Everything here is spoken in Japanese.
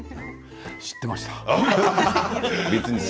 知っていました。